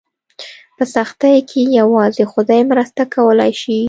په سختۍ کې یوازې خدای مرسته کولی شي.